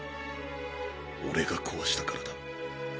俺が壊したからだ。